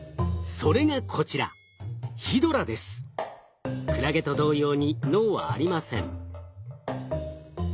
それがこちらクラゲと同様に脳はありません。